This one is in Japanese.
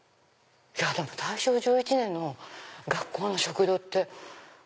大正１１年の学校の食堂って。